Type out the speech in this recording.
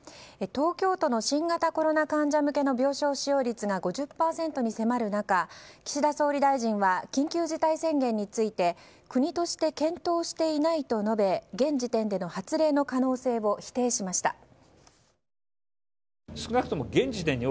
東京都の新型コロナ患者向けの病床使用率が５０％に迫る中、岸田総理大臣は緊急事態宣言について国として検討していないと述べ現時点での発令の可能性を否定しました。